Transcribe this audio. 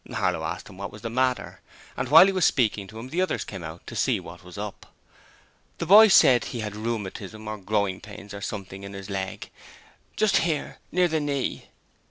Harlow asked him what was the matter, and while he was speaking to him the others came out to see what was up: the boy said he had rheumatism or growing pains or something in his leg, 'just here near the knee'.